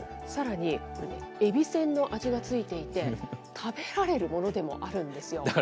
さらに、えびせんの味が付いていて、食べられるものでもあるんですよ。